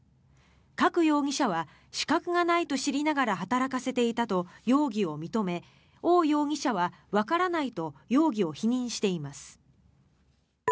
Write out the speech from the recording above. カク容疑者は資格がないと知りながら働かせていたと容疑を認めオウ容疑者は、わからないと容疑を否認しています。